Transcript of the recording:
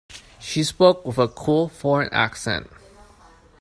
She spoke with a cool foreign accent.